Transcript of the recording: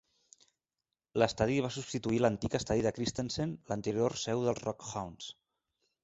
L'estadi va substituir l'antic estadi de Christensen, l'anterior seu dels RockHounds.